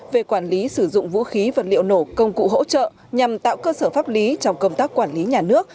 về quản lý sử dụng vũ khí vật liệu nổ công cụ hỗ trợ nhằm tạo cơ sở pháp lý trong công tác quản lý nhà nước